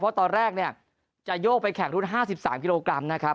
เพราะตอนแรกเนี่ยจะโยกไปแข่งรุ่น๕๓กิโลกรัมนะครับ